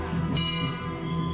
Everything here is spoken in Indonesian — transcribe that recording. super bebas terhadap saya